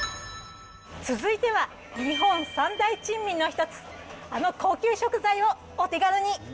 続いては、日本三大珍味の一つ、あの高級食材をお手軽に。